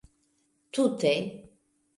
Tute.